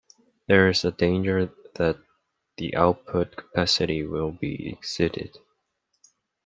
There is a danger that the output capacity will be exceeded.